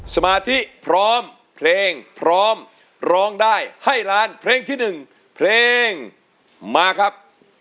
สมาธิพร้อมเพลงพร้อมร้องได้ให้ล้านเพลงที่๑เพลงมาครับ